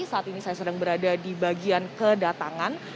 saat ini saya sedang berada di bagian kedatangan